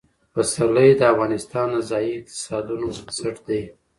پسرلی د افغانستان د ځایي اقتصادونو بنسټ دی.